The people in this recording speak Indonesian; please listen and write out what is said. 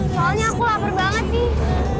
soalnya aku lapar banget nih